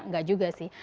enggak juga sih